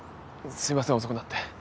すいません遅くなって。